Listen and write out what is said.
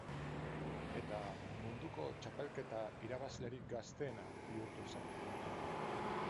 Eta munduko txapelketa irabazlerik gazteena bihurtu zen.